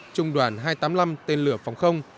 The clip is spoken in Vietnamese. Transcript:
trung đoàn hai trăm tám mươi năm tên lửa phòng không